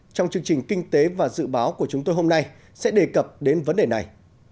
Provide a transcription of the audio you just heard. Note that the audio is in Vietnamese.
trong chương trình kinh tế và dự báo của chúng tôi hôm nay sẽ đề cập đến vấn đề này